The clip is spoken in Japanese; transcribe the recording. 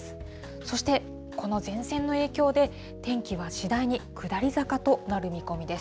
そして、この前線の影響で、天気は次第に下り坂となる見込みです。